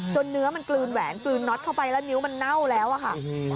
เนื้อมันกลืนแหวนกลืนน็อตเข้าไปแล้วนิ้วมันเน่าแล้วอะค่ะ